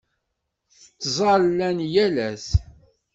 Ttazzalen yal ass?